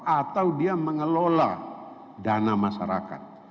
atau dia mengelola dana masyarakat